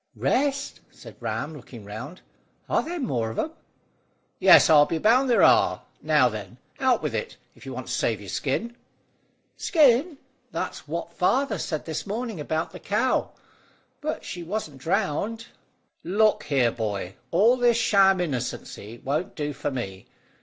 "Rest?" said Ram, looking round. "Are there any more of 'em?" "Yes, I'll be bound there are. Now, then, out with it, if you want to save your skin." "Skin? That's what father said this morning about the cow; but she wasn't drowned." "Look here, boy. All this sham innocency won't do for me.